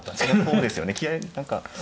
そうですよね気合い何か。